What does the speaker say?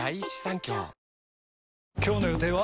今日の予定は？